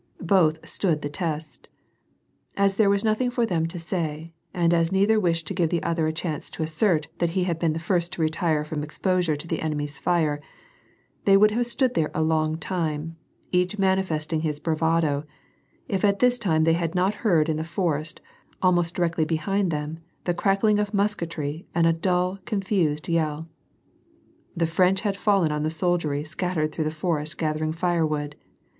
Both stood the test. As there was nothing for them to say, and as neither wished to give the other a chance to assert that he had been the first to retire from exposure to the enemy's fire, they would have stood there a long time, each manifesting his bravado, if at this time they had not heard in the forest, almost directly behind them, the crackling of musketry and a dull, confused yell. Tlie French had fallen on the soldiery scattered through the forest gathering firewood.